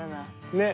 ねっ。